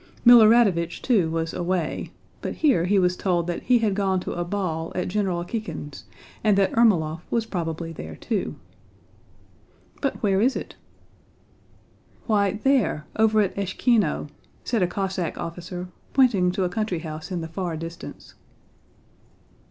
Milorádovich too was away, but here he was told that he had gone to a ball at General Kíkin's and that Ermólov was probably there too. "But where is it?" "Why, there, over at Échkino," said a Cossack officer, pointing to a country house in the far distance.